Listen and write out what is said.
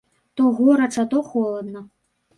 То горача, то холадна.